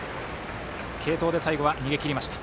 継投で最後は逃げ切りました。